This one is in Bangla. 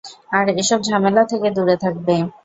আর এসব ঝামেলা থেকে দূরে থাকবে।